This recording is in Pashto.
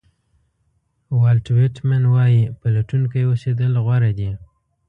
والټ وېټمن وایي پلټونکی اوسېدل غوره دي.